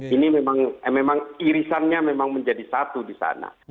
ini memang irisannya memang menjadi satu di sana